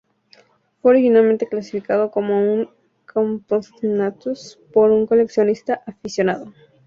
Fue originalmente clasificado como un "Compsognathus" por un coleccionista aficionado.